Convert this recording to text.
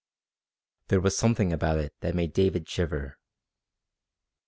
There was something about it that made David shiver.